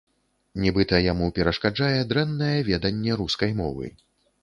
Нібыта, яму перашкаджае дрэннае веданне рускай мовы.